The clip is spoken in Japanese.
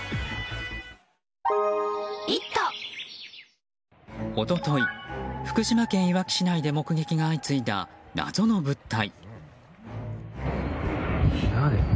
一昨日、福島県いわき市内で目撃が相次いだ謎の物体。